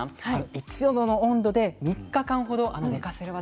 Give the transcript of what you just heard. １度の温度で３日間ほど寝かせる技。